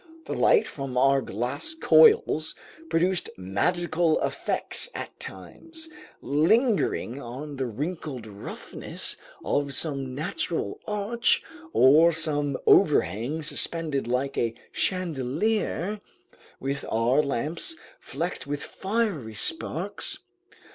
The light from our glass coils produced magical effects at times, lingering on the wrinkled roughness of some natural arch, or some overhang suspended like a chandelier, which our lamps flecked with fiery sparks.